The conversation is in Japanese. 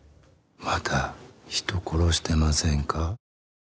また人殺してませんか？